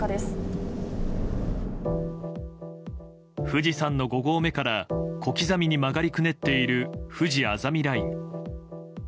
富士山の５合目から小刻みに曲がりくねっているふじあざみライン。